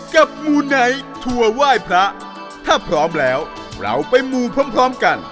มูไนท์ทัวร์ไหว้พระถ้าพร้อมแล้วเราไปมูพร้อมพร้อมกัน